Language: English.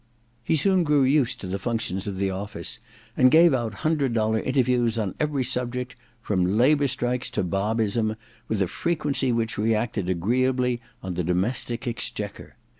He soon grew used to the functions of the office, and gave out hundred dollar inter views on every subject, from labour strikes to Babism, with a frequency which reacted agree ably on the domestic exchequer.